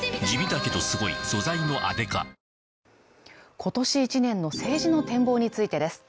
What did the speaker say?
今年一年の政治の展望についてです。